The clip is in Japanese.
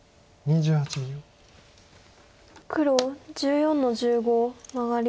黒１４の十五マガリ。